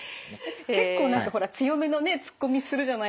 結構何かほら強めのねつっこみするじゃないですか。